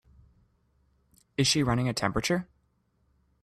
Is she running a temperature?